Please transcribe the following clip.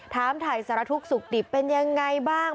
ถามถ่ายสารทุกข์สุขดิบเป็นยังไงบ้าง